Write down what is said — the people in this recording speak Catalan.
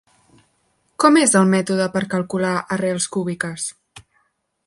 Com és el mètode per calcular arrels cúbiques?